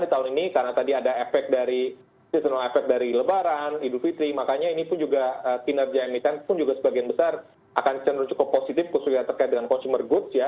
di tahun ini karena tadi ada efek dari seasonal effect dari lebaran idul fitri makanya ini pun juga kinerja emiten pun juga sebagian besar akan cenderung cukup positif khususnya terkait dengan consumer goods ya